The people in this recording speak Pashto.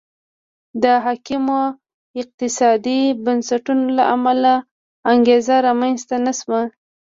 د حاکمو اقتصادي بنسټونو له امله انګېزه رامنځته نه شوه.